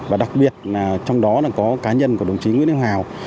và đặc biệt là trong đó có cá nhân của đồng chí nguyễn điều hào